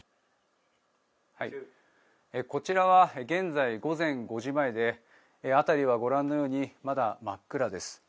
こちらは現在午前５時前で辺りはご覧のようにまだ真っ暗です。